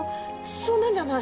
そんなんじゃない。